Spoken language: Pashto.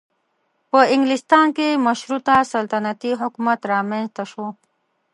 په انګلستان کې مشروطه سلطنتي حکومت رامنځته شو.